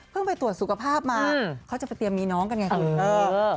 ไปตรวจสุขภาพมาเขาจะไปเตรียมมีน้องกันไงคุณ